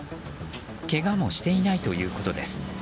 けがもしていないということです。